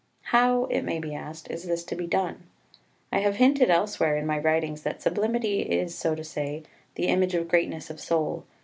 2 How, it may be asked, is this to be done? I have hinted elsewhere in my writings that sublimity is, so to say, the image of greatness of soul.